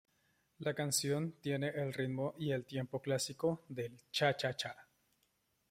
La canción tiene el ritmo y el tempo clásico del cha-cha-cha.